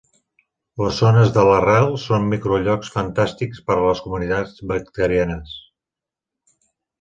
Les zones de l'arrel són microllocs fantàstics per a les comunitats bacterianes.